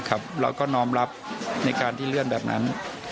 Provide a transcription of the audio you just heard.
เราก็น้อมรับในการที่เลื่อนแบบนั้น